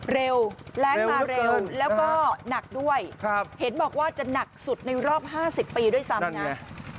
เร็วแรงมาเร็วแล้วก็หนักด้วยเห็นบอกว่าจะหนักสุดในรอบ๕๐ปีด้วยซ้ำนะ